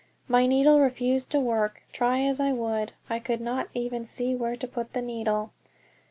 My needle refused to work; try as I would I could not even see where to put the needle.